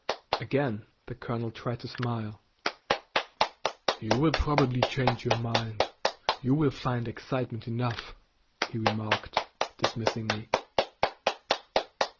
Again the colonel tried to smile. "You probably will change your mind; you will find excitement enough," he remarked, dismissing me.